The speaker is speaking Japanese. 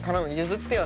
譲ってよ。